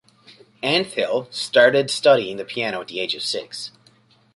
Antheil started studying the piano at the age of six.